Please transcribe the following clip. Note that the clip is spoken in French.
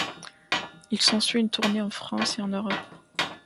Il s'ensuit une tournée en France et en Europe.